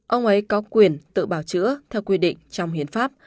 ông ấy có quyền tự bào chữa theo quy định trong hiến pháp